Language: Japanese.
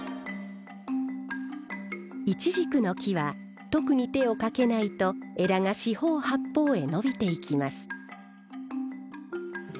いちじくの木は特に手をかけないと枝が四方八方へ伸びていきます。